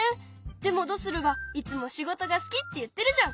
でもドスルはいつも「仕事が好き」って言ってるじゃん。